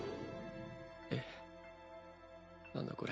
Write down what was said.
えっ？